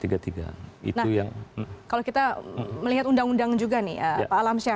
nah kalau kita melihat undang undang juga nih pak alamsyah